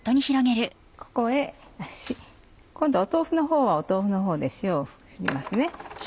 今度豆腐のほうは豆腐のほうで塩を振ります。